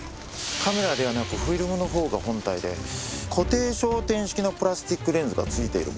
カメラではなくフィルムのほうが本体で固定焦点式のプラスチックレンズが付いているもの。